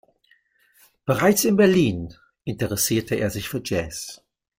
Bereits in Berlin interessierte er sich für Jazz.